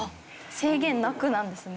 制限なくなんですね。